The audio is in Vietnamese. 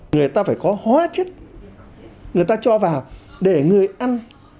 người ta phải có hóa chất người ta cho vào để người ăn